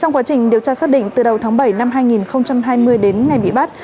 trong quá trình điều tra xác định từ đầu tháng bảy năm hai nghìn hai mươi đến ngày bị bắt